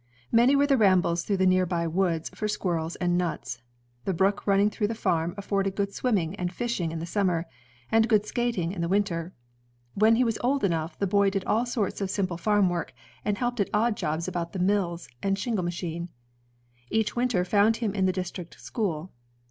Many were the rambles ■ through the near by woods for squirrels and nuts. The brook running through the farm afforded good swimming and fishing in the summer, and good skating in the winter. When he was old enough, the boy did all sorts of simple farm work, and helped ^^^ heiping at the mii at odd jobs about the mills and shingle machine. Each winter found him in the district school.